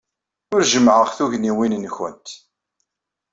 Ur jemmɛeɣ tugniwin-nwent.